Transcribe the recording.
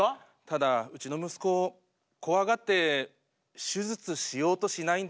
ただうちの息子怖がって手術しようとしないんです。